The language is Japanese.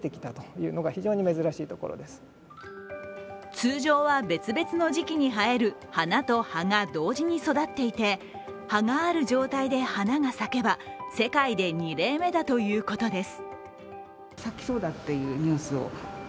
通常は別々の時期に生える花と葉が同時に育っていて葉がある状態で花が咲けば世界で２例目だということです。